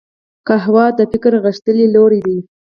قهوه د فکر غښتلي لوری دی